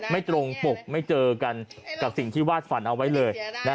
ไม่ตรงปกไม่เจอกันกับสิ่งที่วาดฝันเอาไว้เลย